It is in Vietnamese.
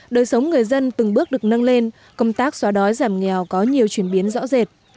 đời sống người dân từng bước được nâng lên công tác xóa đói giảm nghèo có nhiều chuyển biến rõ rệt